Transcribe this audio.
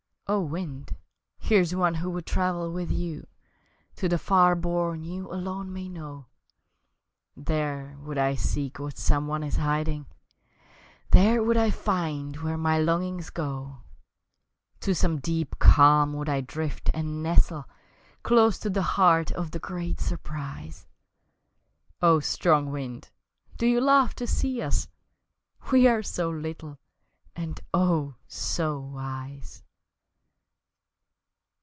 O wind, here's one who would travel with you To the far bourne you alone may know There would I seek what some one is hiding, There would I find where my longings go! To some deep calm would I drift and nestle Close to the heart of the Great Surprise. O strong wind, do you laugh to see us? We are so little and oh, so wise!